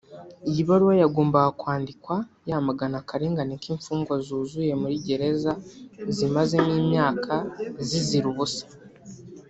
Iyi baruwa yagombaga kwandikwa yamagana akarengane k’imfungwa zuzuye muri gereza zimazemo imyaka zizira ubusa